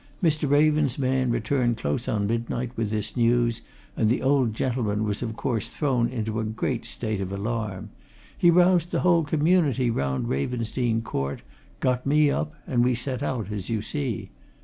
Mr. Raven's man returned close on midnight, with this news, and the old gentleman was, of course, thrown into a great state of alarm. He roused the whole community round Ravensdene Court, got me up, and we set out, as you see.